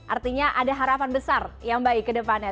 artinya ada harapan besar yang baik kedepannya